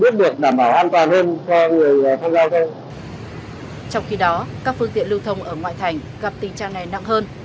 trong khi đó các phương tiện lưu thông ở ngoại thành gặp tình trạng này nặng hơn